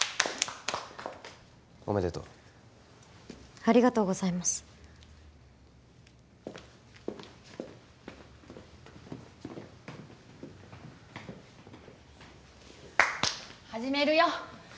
おめでとうありがとうございます始めるよ